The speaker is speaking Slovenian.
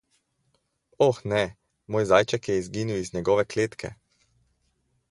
Oh ne, moj zajček je izginil iz njegove kletke!